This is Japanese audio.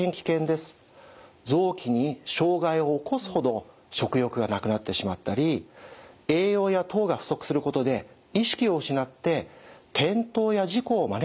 臓器に障害をおこすほど食欲がなくなってしまったり栄養や糖が不足することで意識を失って転倒や事故を招いたりすることもありえます。